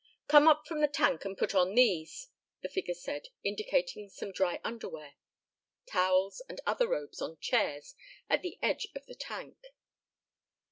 "Come up from the tank and put on these," the figure said, indicating some dry underwear, towels and other robes on chairs at the edge of the tank.